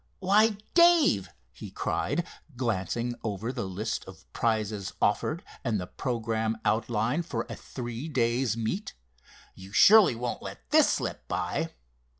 "Why, Dave," he cried, glancing over the list of prizes offered, and the programme outlined for a three days' meet, "you surely won't let this slip by?"